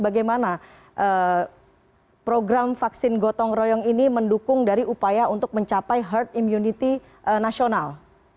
bagaimana program vaksin gotong royong ini mendukung dari upaya untuk mencapai herd immunity nasional